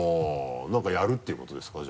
何かやるっていうことですか？